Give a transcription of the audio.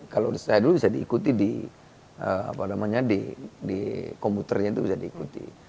kalau saya dulu bisa diikuti di komputernya itu bisa diikuti